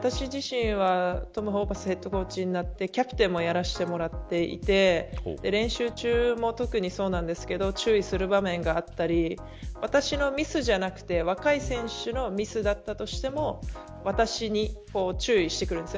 そうですね、私自身はトム・ホーバスヘッドコーチになって、キャプテンもやらせてもらっていて練習中も特にそうなんですけど注意する場面があったり私のミスじゃなくて若い選手のミスだったとしても私に注意してくるんです。